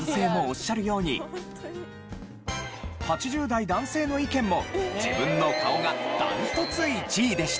８０代男性の意見も自分の顔が断トツ１位でした。